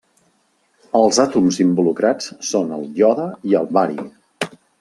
Els àtoms involucrats són el iode i el bari.